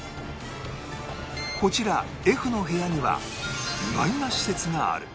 こちら Ｆ の部屋には意外な施設がある